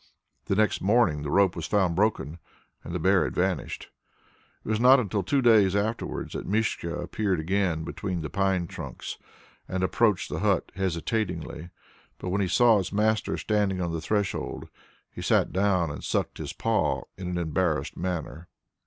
The next morning the rope was found broken and the bear had vanished. It was not till two days afterwards that Mischka appeared again between the pine trunks and approached the hut hesitatingly; but when he saw his master standing on the threshold, he sat down and sucked his paw in an embarrassed manner.